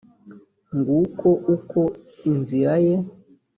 nguko uko inzira ye